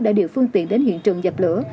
đã điều phương tiện đến hiện trường dập lửa